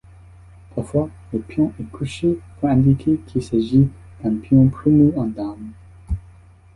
Parfois, le pion est couché pour indiquer qu'il s'agit d'un pion promu en dame.